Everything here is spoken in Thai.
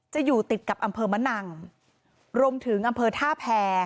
จะอยู่ติดกับอำเภอมะนังรวมถึงอำเภอท่าแพร